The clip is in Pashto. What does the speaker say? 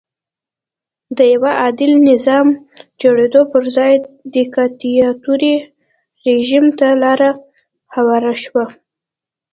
د یوه عادل نظام جوړېدو پر ځای دیکتاتوري رژیم ته لار هواره شوه.